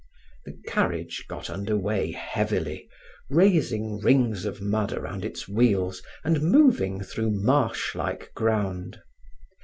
The carriage got under way heavily, raising rings of mud around its wheels and moving through marsh like ground.